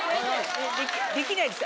できないです。